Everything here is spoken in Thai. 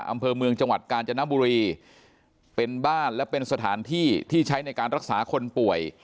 อำเภอเมืองจังหวัดกาญจนบุรีเป็นบ้านและเป็นสถานที่ที่ใช้ในการรักษาคนป่วย